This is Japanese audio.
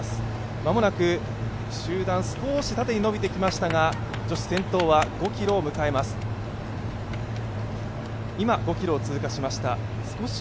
間もなく集団少し縦に伸びてきましたが女子、先頭５ｋｍを通過しました。